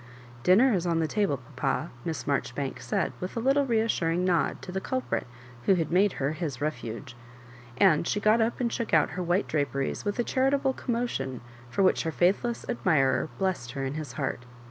"" Dinner is on the table, papa, " Miss Maijoribanlcs said, with a little reassuring nod to the culprit who had made her his refuge ; and she got up and shook out her white draperies with a charitable commotion for which her faith less admirer blessed her in his heart.